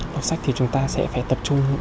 đọc sách thì chúng ta sẽ phải tập trung